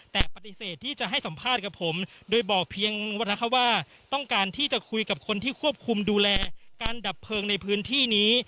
แต่ปฏิเสธที่จะให้สัมภาษณ์กับผมโดยบอกเพียงว่าต้องการที่จะคุยกับคนที่ควบคุมดูแลการดับเพลิงในพื้นที่นี้